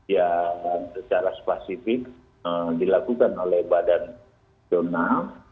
yang secara spesifik dilakukan oleh badan pangan nasional